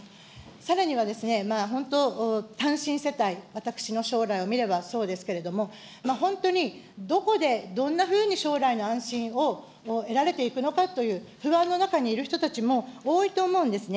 さらには本当、単身世帯、私の将来を見ればそうですけれども、本当にどこでどんなふうに将来の安心を得られていくのかという不安の中にいる人たちも多いと思うんですね。